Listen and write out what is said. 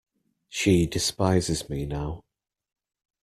She despises me now.